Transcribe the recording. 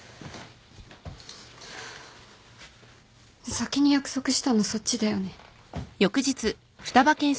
先に約束したのそっちだよね。